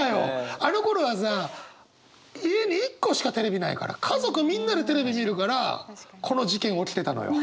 あのころはさ家に一個しかテレビないから家族みんなでテレビ見るからこの事件起きてたのよ。